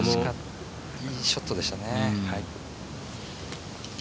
いいショットでしたね。